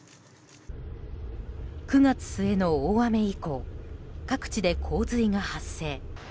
９月末の大雨以降各地で洪水が発生。